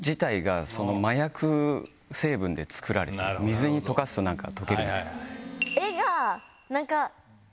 水に溶かすと溶けるみたいな。